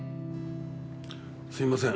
すいません。